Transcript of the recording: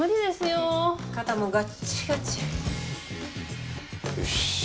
よし。